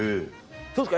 どうですか？